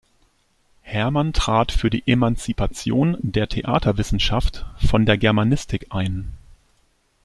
Herrmann trat für die Emanzipation der Theaterwissenschaft von der Germanistik ein.